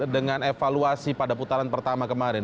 dengan evaluasi pada putaran pertama kemarin